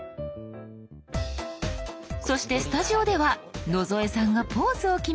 そしてスタジオでは野添さんがポーズを決めて。